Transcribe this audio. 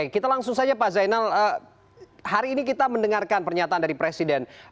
kita langsung saja pak zainal hari ini kita mendengarkan pernyataan dari presiden